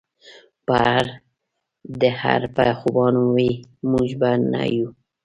پۀ هر دهر به خوبان وي مونږ به نۀ يو